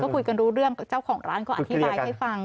คุยกันรู้เรื่องเจ้าของร้านก็อธิบายให้ฟัง